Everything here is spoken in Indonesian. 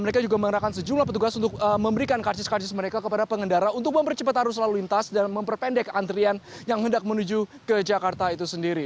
mereka juga mengerahkan sejumlah petugas untuk memberikan karcis karcis mereka kepada pengendara untuk mempercepat arus lalu lintas dan memperpendek antrian yang hendak menuju ke jakarta itu sendiri